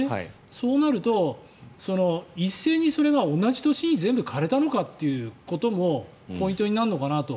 そうなると一斉にそれが同じ年に全部枯れたのかということもポイントになるのかなと。